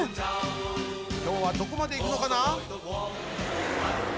きょうはどこまでいくのかな？